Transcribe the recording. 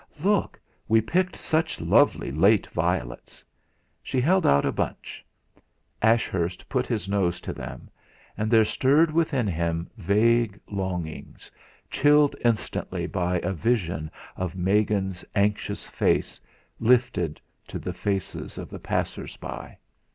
"Look! We picked such lovely late violets!" She held out a bunch. Ashurst put his nose to them, and there stirred within him vague longings, chilled instantly by a vision of Megan's anxious face lifted to the faces of the passers by.